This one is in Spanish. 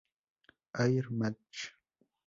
Hair match.